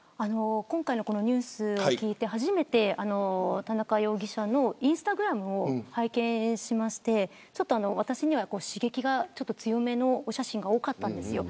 今回のニュースを聞いて初めて田中容疑者のインスタグラムを拝見しましてちょっと私には刺激が強めのお写真が多かったんです。